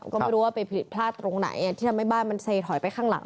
ก็ไม่รู้ว่าไปผิดพลาดตรงไหนที่ทำให้บ้านมันเซถอยไปข้างหลัง